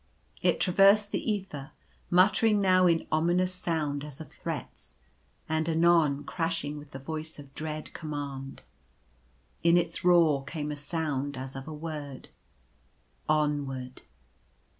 It traversed the aether, muttering now in ominous sound as of threats, and anon crashing with the voice of dread command. In its roar came a sound as of a word: " Onward."